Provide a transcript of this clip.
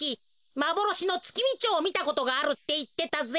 まぼろしのツキミチョウをみたことがあるっていってたぜ。